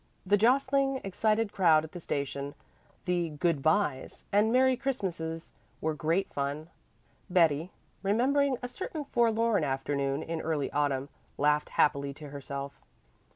The jostling, excited crowd at the station, the "good byes" and "Merry Christmases," were great fun. Betty, remembering a certain forlorn afternoon in early autumn, laughed happily to herself.